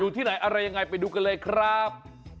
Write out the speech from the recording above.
ที่ไหนอะไรยังไงไปดูกันเลยครับ